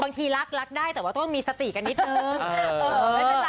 บางทีรักรักได้แต่ว่าต้องมีสติกันนิดนึง